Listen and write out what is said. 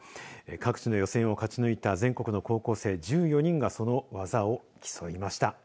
各地の予選を勝ち抜いた全国の高校生１４人がその技を競いました。